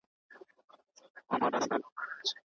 شاعرانو الهام واخیست